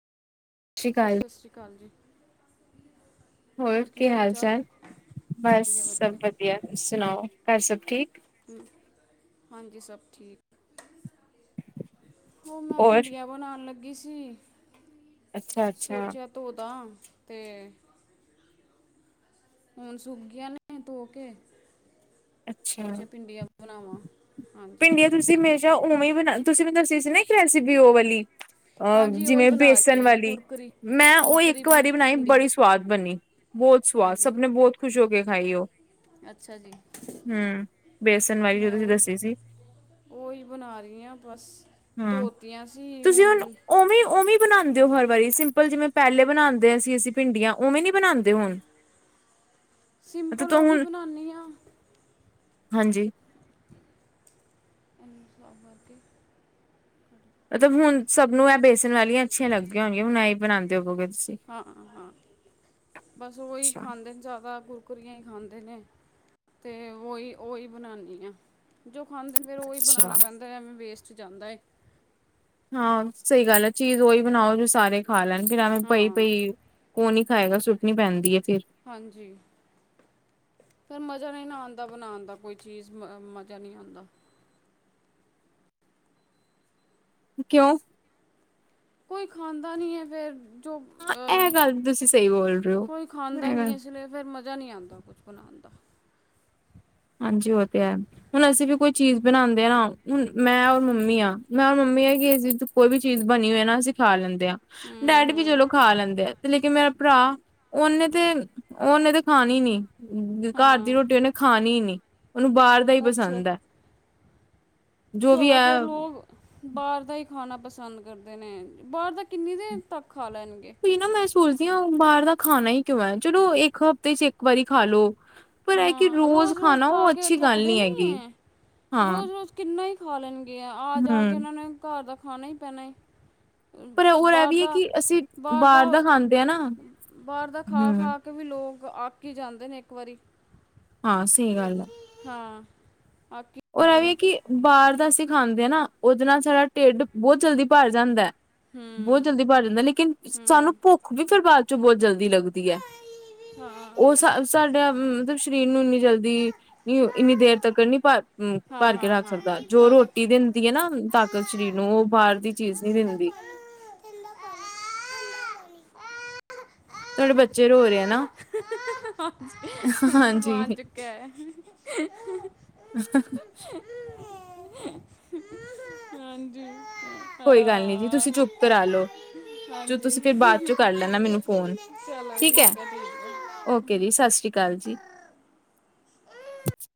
ਸ਼੍ਰੀ ਸਰ ਅਕਾਲ ਸਤਿ ਸ਼੍ਰੀ ਅਕਾਲ ਜੀ। ਹੋਰ ਕੀ ਹਾਲ ਚਾਲ ਬਸ ਸਭ ਵਧੀਆ ਤੁਸੀ ਸੁਣਾਓ ਘਰ ਸਭ ਠੀਕ? ਹਾਂਜੀ ਸਭ ਠੀਕ ਉਹ ਮੈਂ ਔਰ ਭਿੰਡੀਆਂ ਬਣਾਣ ਲੱਗੀ ਸੀ, ਅੱਛਾ ਅੱਛਾ ਸੋਚਿਆ ਤੋਦਾ ਤੇ ਹੁਣ ਸੂਕ ਗੀਆਂ ਨੇ ਤੋਕੇ, ਅੱਛਾ ਸੋਚਿਆ ਭਿੰਡੀਆਂ ਬਣਾਵਾਂ। ਹਾਂਜੀ ਭਿੰਡੀਆਂ ਤੁਸੀਂ ਹਮੇਸ਼ਾ ਉਵੇਂ ਹੀ ਬਣਾ ਤੁਸੀਂ ਮੈ ਦੱਸੀ ਸੀ ਨਾ ਇੱਕ ਰੈਸਿਪੀ ਉਹ ਵਾਲੀ ਅਹ ਹਾਂਜੀ ਉਹੀ ਜਿਵੇਂ ਬਣਾ ਬੇਸਣ ਰਹੀ ਹਾਂ ਵਾਲੀ, ਕੁਰਕਰੀ ਮੈਂ ਉਹ ਕੁਰਕਰੀ ਇੱਕ ਵਾਰੀ ਭੁੰ- ਬਣਾਈ ਭਿੰਡੀ ਬੜੀ ਸਵਾਦ ਬਣੀ। ਬਹੁਤ ਸਵਾਦ ਹਾਂਜੀ ਸਭ ਨੇ ਬਹੁਤ ਖੁਸ਼ ਹੋ ਕੇ ਖਾਈ ਉਹ ਅੱਛਾ ਜੀ ਹੂੰ ਬੇਸਣ ਵਾਲੀ ਜੋਂ ਮੈਂ ਤੁਸੀਂ ਉਹੀ ਦੱਸੀ ਸੀ। ਉਹੀ ਬਣਾ ਰੀਆਂ ਬਸ, ਹਮ ਧੋਤੀਆਂ ਸੀ ਹੁਣ ਬਣਾਦੇ ਔ ਹਰ ਵਾਰੀ ਸਿੰਪਲ ਜਿਵੇਂ ਪਹਿਲੇ ਬਣਾਦੇ ਸੀ ਅਸੀਂ ਭਿੰਡੀਆਂ ਉਵੇਂ ਨੀ ਬਣਾਦੇ ਹੁਣ ਮਤਲਬ ਸਿੰਪਲ ਤੂੰ ਉਹ ਵੀ ਹੁਣ ਬਣਾਨੇ ਆ। ਹਾਂਜੀ, [inaudible] ਮਤਲਬ ਹੁਣ ਸਭ ਨੂੰ ਇਹ ਬੇਸਣ ਵਾਲੀਆਂ ਅੱਛੀਆਂ ਲੱਗੀਆਂ ਹੋਣਗੀਆਂ ਹੁਣ ਇਹ ਬਣਾਦੇ ਹੋਵੋਗੇ ਤੁਸੀਂ ਹਾਂ-ਹਾਂ, ਬਸ ਉਹੀ ਅੱਛਾ ਖਾਂਦੇ ਨੇ ਜ਼ਿਆਦਾ ਗ ਕੁੱਕਰੀਆਂ ਈ ਖਾਂਦੇ ਨੇ, ਤੇ ਔਈ ਔਈ ਬਣਾਦੇ ਨੇ। ਜੋ ਖਾਂਦੇ ਨੇ ਫਿਰ ਉਹੀ ਅੱਛਾ ਬਣਾਣਾ ਪੈਂਦਾ ਐਵੇਂ ਵੇਸਟ ਜਾਂਦਾ ਏ। ਹਾਂ ਸਹੀ ਗੱਲ ਐ ਚੀਜ਼ ਓਹੀ ਬਣਾਓ ਜੋ ਸਾਰੇ ਖਾ ਲੈਣ ਗੇ ਨਾਲੇ ਹਾਂ ਪਈ-ਪਈ, ਕੋਣ ਨੀ ਖਾਏਗਾ ਸੁੱਟਣੀ ਪੈਂਦੀ ਐ ਫਿਰ ਹਾਂਜੀ, ਫੇਰ ਮਜ਼ਾ ਨੀ ਨਾ ਆਦਾ ਬਣਾਣ ਦਾ ਕੋਈ ਚੀਜ਼ ਮਜ਼ਾ ਨੀ ਆਦਾ। ਕਿਉਂ? ਕੋਈ ਖਾਂਦਾ ਨੀ ਐ ਫੇਰ ਅ ਜੋ ਹਾਂ ਇਹ ਗੱਲ ਤੁਸੀਂ ਸਹੀ ਬੋਲ ਰਹੇ ਹੋ ਕੋਈ ਖਾਂਦਾ ਇਹ ਗੱਲ ਨੀ ਐ ਸਵੇਰੇ ਮਜਾ ਨੀ ਆਦਾ ਕੁਛ ਬਣਾਣ ਦਾ। ਹਾਂਜੀ ਉਹ ਤੇ ਹੈ। ਹੁਣ ਅਸੀਂ ਵੀ ਕੋਈ ਚੀਜ਼ ਬਣਾਦੇ ਆ ਨਾ ਹੁਣ, ਮੈਂ ਔਰ ਮੰਮੀ ਆ ਮੈਂ ਔਰ ਮੰਮੀ ਹੈਗੀ। ਕੋਈ ਵੀ ਚੀਜ਼ ਬਣੀ ਹੋਏ ਨਾ ਅਸੀਂ ਖਾ ਲੈਂਦੇ ਆ, ਹੂੰ ਡੈਡੀ ਵੀ ਹੂੰ ਚਲੋ ਖਾ ਲੈਂਦੇ ਆ ਤੇ ਲੇਕਿਨ ਮੇਰਾ ਭਰਾ ਉਹਨੇ ਤੇ, ਉਹਨੇ ਤੇ ਖਾਣੀ ਨੀ ਘਰ ਦੀ ਹਾਂ ਰੋਟੀ ਉਹਨੇ ਖਾਣੀ ਨੀ। ਉਹਨੂੰ ਬਾਹਰ ਦਾ ਈ ਅੱਛਾ ਪਸੰਦ ਐ। ਜ਼ਿਆਦਾਤਰ ਲੋਕ ਬਾਹਰ ਦਾ ਈ ਖਾਣਾ ਪਸੰਦ ਕਰਦੇ ਨੇ, ਬਾਹਰ ਦਾ ਕਿੰਨੀ ਦੇਰ ਤੱਕ ਖਾ ਲੈਣਗੇ। ਤੇ ਨਾ ਮੈਂ ਸੋਚਦੀ ਆ ਬਾਹਰ ਦਾ ਖਾਣਾ ਈ ਕਿਉਂ ਐ, ਚਲੋ ਇੱਕ ਹਫ਼ਤੇ ਚ ਇੱਕ ਵਾਰੀ ਖਾ ਲੋੋ। ਹਾਂ ਰੋਜ਼-ਰੋਜ਼ ਖਾ ਕੇ ਉਹ ਗੱਲ ਥੱਕਦੇ ਨੀ ਹੈਗੀ ਏ ਹਾਂ ਰੋਜ਼ ਰੋਜ਼ ਕਿੰਨਾ ਈ ਖਾ ਲੈਣਗੇ ਆ ਆ ਜਾ ਕੇ ਹਮ ਉਹਨਾਂ ਨੇ ਘਰ ਦਾ ਖਾਣਾ ਈ ਪੈਣਾ। ਪਰ ਹੋਰ ਇਹ ਬਾਹਰ ਵੀ ਹੈ ਦਾ ਕਿ ਅਸੀਂ ਬਾਹਰ ਦਾ, ਖਾਂਦੇ ਆ ਨਾ ਬਾਹਰ ਦਾ ਹੂੰ, ਖਾ-ਖਾ। ਵੀ ਲੋਕ ਅੱਕ ਈ ਜਾਂਦੇ ਨੇ ਇੱਕ ਵਾਰੀ ਹਾਂ ਸਈ ਗੱਲ ਆ। ਹਾਂ, ਬਾਕੀ ਇਹ ਵੀ ਐ ਕਿ ਬਾਹਰ ਦਾ ਅਸੀਂ ਖਾਂਦੇ ਆ ਨਾ, ਉਹਦੇ ਨਾਲ ਸਾਡਾ ਢਿੱਡ ਬੋਤ ਜਲਦੀ ਭਰ ਜਾਂਦਾ ਐ। ਬਹੁਤ ਹੂੰ, ਜਲਦੀ ਭਰ ਜਾਂਦਾ, ਲੇਕਿਨ ਸਾਨੂੰ ਹੂੰ। ਭੁੱਖ ਵੀ ਫਿਰ ਬਾਦ ਚੋਂ ਬਹੁਤ ਜਲਦੀ ਲੱਗਦੀ ਐ ਹਾਂ। ਉਹ ਸਾਡਾ ਮਤਲਬ ਸਰੀਰ ਨੂੰ ਇੰਨੀ ਜਲਦੀ ਦੀ ਨੀ ਇੰਨੀ ਦੇਰ ਤੱਕ ਨੀ ਭਰ ਹੂੰ ਹਾਂ ਭਰ ਕੇ ਹਾਂ ਰੱਖ ਹਾਂ ਸਕਦਾ ਜੋ ਹਾਂ ਰੋਟੀ ਦਿੰਦੀ ਐ ਨਾ ਤਾਕਤ ਸਰੀਰ ਨੂੰ ਉਹ ਬਾਹਰ ਦੀ ਚੀਜ਼ ਨੀ ਦਿੰਦੀ। ਤੁਹਾਡੇ ਬੱਚੇ ਰੋ ਰਹੇ ਆ ਨਾ ਹਾਂਜੀ [unintelligible] [unintelligible] ਕਿਆ ਹੈ ਹਾਂਜੀ ਕੋਈ ਗੱਲ ਨਹੀਂ ਜੀ ਹਾਂ ਤੁਸੀਂ ਚੁੱਪ ਕਰਾ ਲੋਓ। ਹਾਂਜੀ, ਚਲੋ ਮੈਨੂੰ ਫੋਨ ਠੀਕ ਐ, ਠੀਕ ਐ ਜੀ। ਓਕੇ ਜੀ, ਸਾਸਰੀ ਕਾਲ ਜੀ। ਹੈ